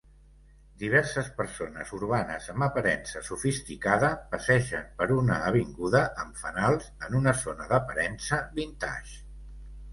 Diverses persones urbanes amb aparença sofisticada passegen per una avinguda amb fanals en una zona d'aparença "vintage".